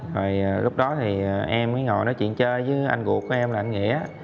rồi lúc đó thì em mới ngồi nói chuyện chơi với anh duột của em là anh nghĩa